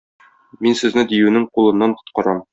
Мин сезне диюнең кулыннан коткарам.